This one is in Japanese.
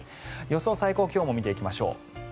予想最高気温も見ていきましょう。